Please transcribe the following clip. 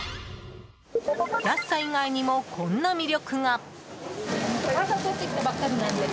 安さ以外にも、こんな魅力が。